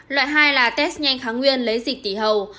loại hai là test nhanh kháng nguyên lấy dịch tỷ hầu